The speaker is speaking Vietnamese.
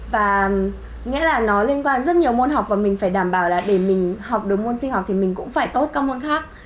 và nghĩa là nó liên quan rất nhiều môn học và mình phải đảm bảo là để mình học được môn sinh học thì mình cũng phải tốt các môn khác